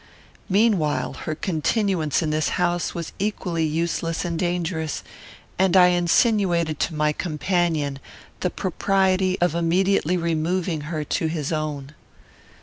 Meanwhile her continuance in this house was equally useless and dangerous, and I insinuated to my companion the propriety of immediately removing her to his own.